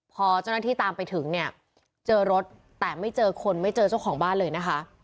พอเจ้าหน้าที่ตามไปถึงเนี่ยเจอรถแต่ไม่เจอคนไม่เจอเจ้าของบ้านเลยนะคะ